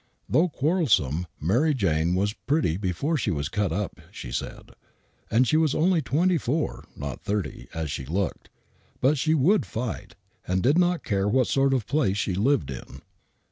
Though quarrelsome, Mary Jane was pretty before she was cut up, she said, and she was only twenty four, not thirty, as she looked: but she would fight, and did not care what sort of a place she lived in.